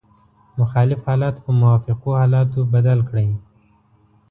مخالف حالات په موافقو حالاتو بدل کړئ.